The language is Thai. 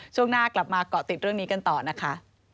ช่วงหน้ากลับมาเกาะติดเรื่องนี้กันต่อนะคะ